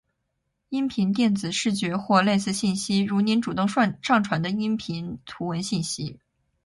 ·音频、电子、视觉或类似信息。如您主动上传的音视频、图文信息。